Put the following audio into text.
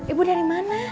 ibu dari mana